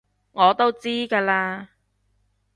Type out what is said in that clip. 我都知㗎喇